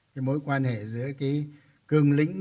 cái mối quan hệ giữa cương lĩnh